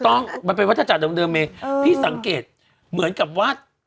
ตรงมันเป็นวัดธจักรเดียมเลยพี่สังเกตเหมือนกับวัด